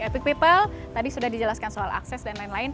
epic people tadi sudah dijelaskan soal akses dan lain lain